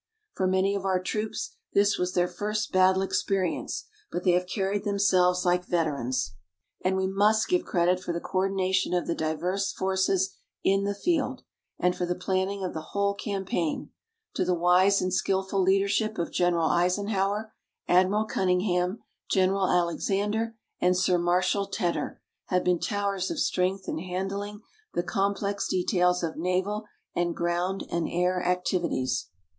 For many of our troops this was their first battle experience, but they have carried themselves like veterans. And we must give credit for the coordination of the diverse forces in the field, and for the planning of the whole campaign, to the wise and skillful leadership of General Eisenhower. Admiral Cunningham, General Alexander and Sir Marshal Tedder have been towers of strength in handling the complex details of naval and ground and air activities.